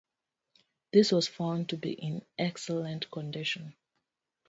This was found to be in 'excellent condition'.